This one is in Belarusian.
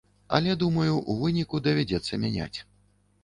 Але, думаю, у выніку давядзецца мяняць.